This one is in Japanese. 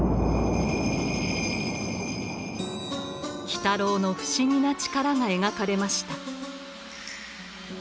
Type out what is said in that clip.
鬼太郎の不思議な力が描かれました。